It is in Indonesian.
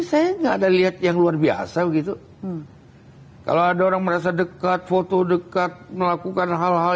saya enggak ada lihat yang luar biasa begitu kalau ada orang merasa dekat foto dekat melakukan hal hal